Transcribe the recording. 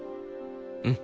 うん。